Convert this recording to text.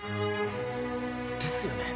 ですよね。